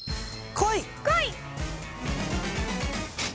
・こい！